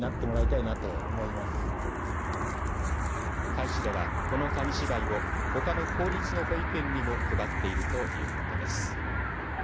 甲斐市ではこの紙芝居をほかの公立の保育園にも配っているということです。